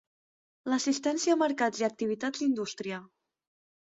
L'assistència a mercats i a activitats d'indústria.